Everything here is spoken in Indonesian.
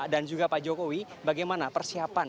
dan juga pak jokowi bagaimana persiapan